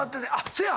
せや！